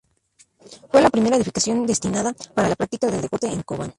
Fue la primera edificación destinada para la práctica del deporte en Cobán.